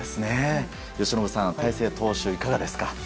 由伸さん、大勢投手いかがですか？